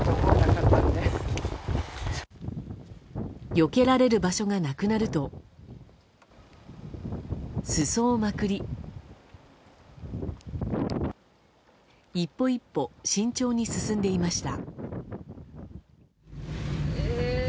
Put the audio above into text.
よけられる場所がなくなると裾をまくり１歩１歩慎重に進んでいました。